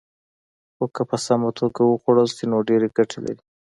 خو که په سمه توګه وخوړل شي، نو ډېرې ګټې لري.